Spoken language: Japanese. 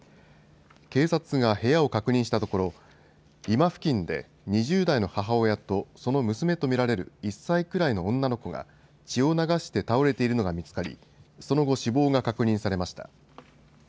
警察が部屋を確認したところ居間付近で２０代の母親とその娘とみられる１歳くらいの女の子が血を流して倒れているのが見つかりその後、死亡が確認されました。